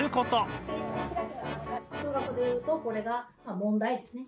数学で言うとこれが問題ですね。